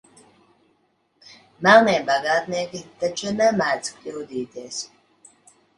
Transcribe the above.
Melnie bagātnieki taču nemēdz kļūdīties.